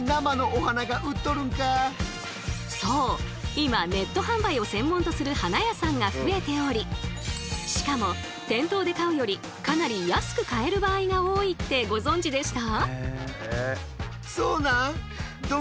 今ネット販売を専門とする花屋さんが増えておりしかも店頭で買うよりかなり安く買える場合が多いってご存じでした？